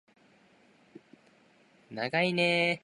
ながいねー